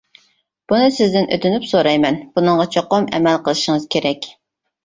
بۇنى سىزدىن ئۆتۈنۈپ سورايمەن، بۇنىڭغا چوقۇم ئەمەل قىلىشىڭىز كېرەك.